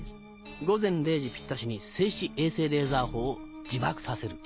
午前０時ぴったしに静止衛星レーザー砲を自爆させる。